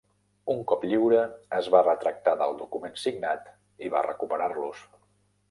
Un cop lliure, es va retractar del document signat i va recuperar-los.